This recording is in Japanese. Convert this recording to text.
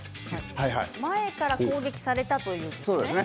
前から攻撃されたということですね。